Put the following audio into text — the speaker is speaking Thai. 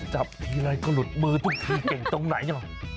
จับทีไรก็หลุดมือทุกทีเก่งตรงไหนหรอ